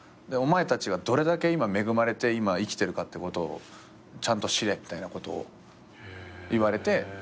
お前たちがどれだけ今恵まれて生きてるかってことをちゃんと知れみたいなことを言われて。